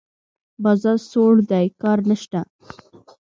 بازار سوړ دی؛ کار نشته.